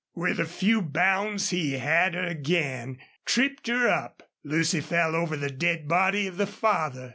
With a few bounds he had her again, tripped her up. Lucy fell over the dead body of the father.